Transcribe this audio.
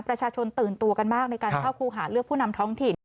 ประชาชนตื่นตัวกันมากในการเข้าครูหาเลือกผู้นำท้องถิ่น